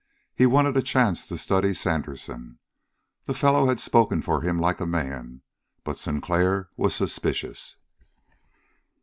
He wanted a chance to study Sandersen. The fellow had spoken for him like a man, but Sinclair was suspicious.